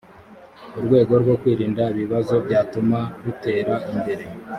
urwego rwo kwirinda ibibazo byatuma rutera imbere